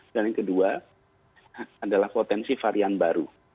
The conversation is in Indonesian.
dan yang kedua adalah potensi varian baru